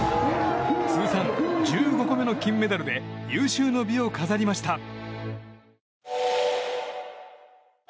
通算１５個目の金メダルで有終の美を飾りました。